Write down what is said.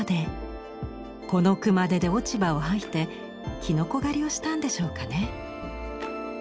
この熊手で落ち葉を掃いてきのこ狩りをしたんでしょうかね。